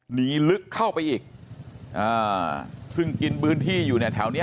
หนีลึกเข้าไปอีกซึ่งกินพื้นที่อยู่แถวนี้